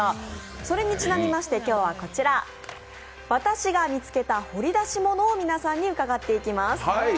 それにちなみまして、今日はこちら私が見つけた掘り出し物を皆さんに伺っていきます。